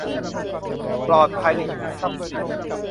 ปลอดภัยในชีวิตทรัพย์สิน